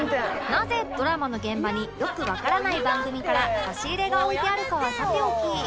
なぜドラマの現場によくわからない番組から差し入れが置いてあるかはさておき